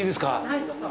はいどうぞ。